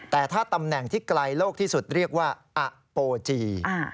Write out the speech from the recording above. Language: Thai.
แต่ถ้าตำแหน่งที่ไกลโลกที่สุดเรียกว่าอโปจี